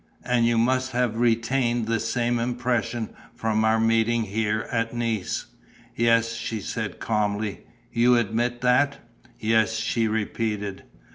And you must have retained the same impression from our meeting here, at Nice." "Yes," she said, calmly. "You admit that?" "Yes," she repeated.